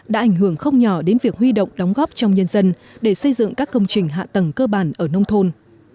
đã ảnh hưởng không nhỏ đến việc huy động đóng góp trong nhân dân để xây dựng các công trình hạ tầng cơ bản ở nông thôn